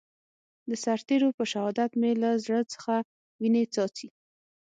د سرتېرو په شهادت مې له زړه څخه وينې څاڅي.